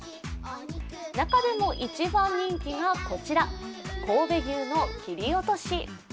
中でも一番人気がこちら、神戸牛の切り落とし。